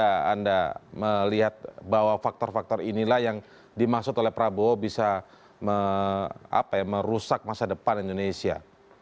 apakah anda melihat bahwa faktor faktor inilah yang dimaksud oleh prabowo bisa merusak masa depan indonesia